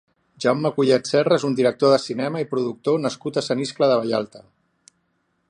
Jaume Collet-Serra és un director de cinema i productor nascut a Sant Iscle de Vallalta.